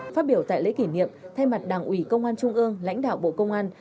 phát biểu tại lễ kỷ niệm thay mặt đảng ủy công an trung ương lãnh đạo bộ công an